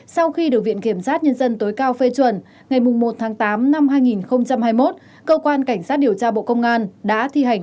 sau khi được viện kiểm sát nhân dân tối cao phê chuẩn ngày một tháng tám năm hai nghìn hai mươi một cơ quan cảnh sát điều tra bộ công an đã thi hành